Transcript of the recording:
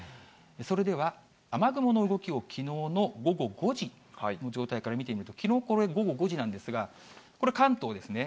それでは、雨雲の動きをきのうの午後５時の状態から見てみると、きのうこれ、午後５時なんですが、これ関東ですね。